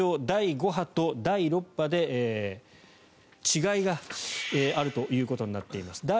第５波と第６波で違いがあるということになっています。